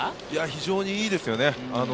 非常にいいですよね。